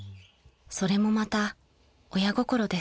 ［それもまた親心です］